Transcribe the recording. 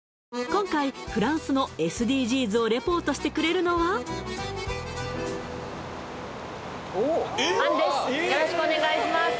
今回フランスのＳＤＧｓをリポートしてくれるのはよろしくお願いします